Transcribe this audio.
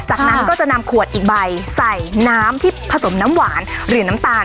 จากนั้นก็จะนำขวดอีกใบใส่น้ำที่ผสมน้ำหวานหรือน้ำตาล